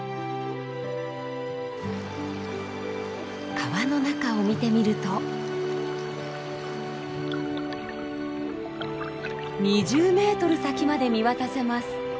川の中を見てみると２０ｍ先まで見渡せます。